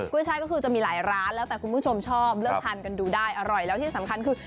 ช่ายก็คือจะมีหลายร้านแล้วแต่คุณผู้ชมชอบเลือกทานกันดูได้อร่อยแล้วที่สำคัญคือ